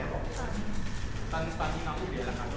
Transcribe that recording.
หน้าสาวใกล้๑๕บาท